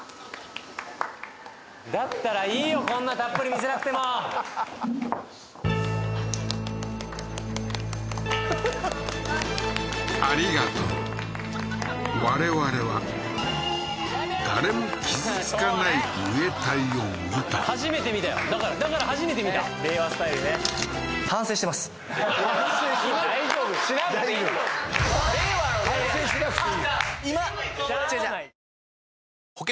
だったらいいよこんなたっぷり見せなくてもありがとう我々は誰も傷つかないムエタイを見た初めて見たよだから初めて見た令和スタイルね反省して大丈夫よ大丈夫反省しなくていいよ